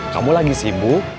kamu lagi sibuk